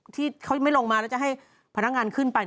ที่เขาไม่ลงมาแล้วจะให้พนักงานขึ้นไป